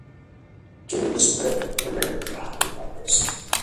Ken yezmer ad yeg laman deg Ferḥat n At Ɛebbas.